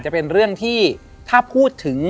เป็นเรื่องที่ค่อนข้างนาน